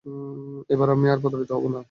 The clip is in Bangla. এবার আমি আর প্রতারিত হবো না।